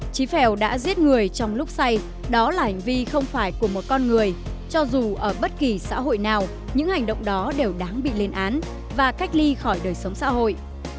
chí phèo đã giết người trong lúc xay đó là hành vi không phải của một con người cho dù ở bất kỳ xã hội nào những hành động đó đều đáng bị lên án và cách ly khỏi đời sống xã hội